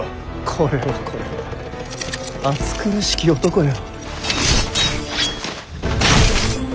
これはこれは暑苦しき男よ。